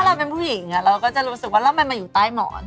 เราเป็นผู้หญิงเราก็จะรู้สึกว่าแล้วมันมาอยู่ใต้หมอน